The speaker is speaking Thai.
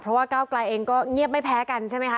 เพราะว่าก้าวกลายเองก็เงียบไม่แพ้กันใช่ไหมคะ